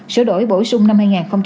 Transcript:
sửa đổi bổ sung năm hai nghìn một mươi